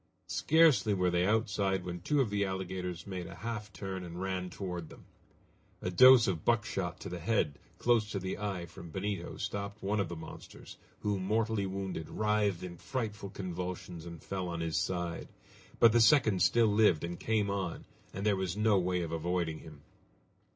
Scarcely were they outside when two of the alligators made a half turn and ran toward them. A dose of buckshot to the head, close to the eye, from Benito, stopped one of the monsters, who, mortally wounded, writhed in frightful convulsions and fell on his side. But the second still lived, and came on, and there was no way of avoiding him.